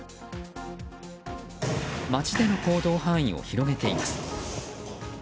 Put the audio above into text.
街での行動範囲を広げています。